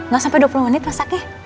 gak sampe dua puluh menit mas akeh